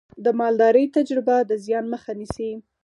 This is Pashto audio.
د مالدارۍ تجربه د زیان مخه نیسي.